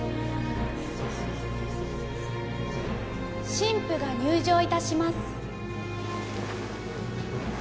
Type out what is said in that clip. ・新婦が入場いたします。